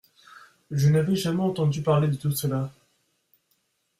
Je n’avais jamais entendu parler de tout cela !